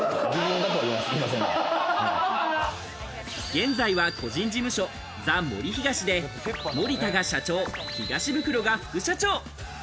現在は個人事務所、ザ・森東で森田が社長、東ブクロが副社長。